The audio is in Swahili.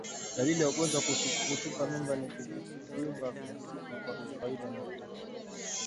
Dalili ya ugonjwa wa kutupa mimba ni kuvimba kusiko kwa kawaida kwa korodani